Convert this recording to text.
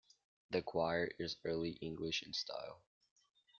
The choir is Early English in style.